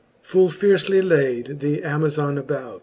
XXXI. Full fiercely layde the Amazon about.